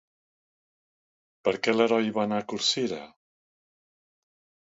Per què l'heroi va anar a Corcira?